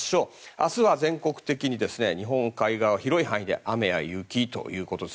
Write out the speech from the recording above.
明日は全国的に日本海側の広い範囲で雨や雪ということです。